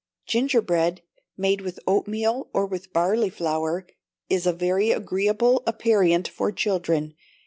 Gingerbread, made with oatmeal or with barley flour, is a very agreeable aperient for children.